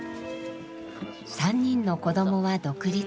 ３人の子どもは独立。